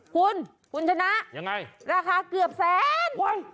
คุณคุณชนะยังไงราคาเกือบแสน